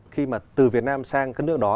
khi mà từ việt nam sang các nước đó